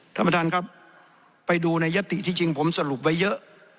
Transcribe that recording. ท่านประธานครับไปดูในยติที่จริงผมสรุปไว้เยอะ